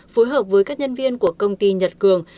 phối hợp với các nhân viên của công ty nhật cường